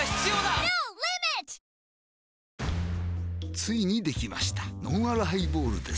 ついにできましたのんあるハイボールです